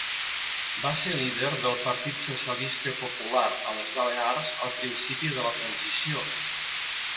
Va ser líder del Partit Socialista Popular a les Balears al principi de la Transició.